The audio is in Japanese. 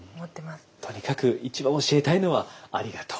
とにかく一番教えたいのはありがとう。